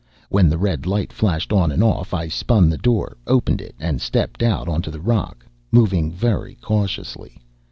When the red light flashed on and off, I spun the door, opened it, and stepped out onto the rock, moving very cautiously.